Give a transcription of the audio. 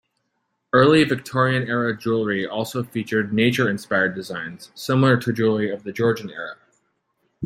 Early Victorian-era jewelry also featured nature-inspired designs, similar to jewelry of the Georgian era.